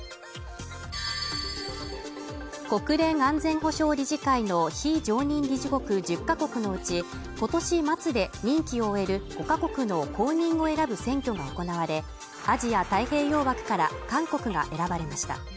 国連安全保障理事会の非常任理事国１０カ国のうち、今年末で任期を終える５カ国の後任を選ぶ選挙が行われ、アジア太平洋枠から韓国が選ばれました。